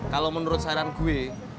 kalau menurut saran gue